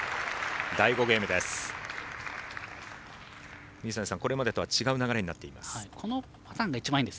第５ゲームです。